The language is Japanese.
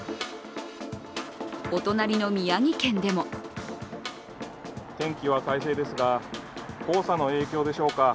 お隣の宮城県でも天気は快晴ですが黄砂の影響でしょうか。